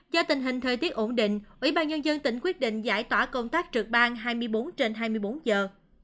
do tình hình thời tiết ổn định ủy ban nhân dân tỉnh quyết định giải tỏa công tác trực ban hai mươi bốn trên hai mươi bốn giờ